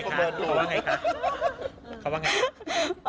เขาว่าไงคะ